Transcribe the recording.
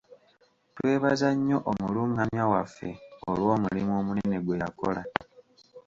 Twebaza nnyo omulungamya waffe olw'omulimu omunene gwe yakola.